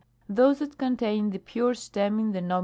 Those that contain the pure stem in the Nom.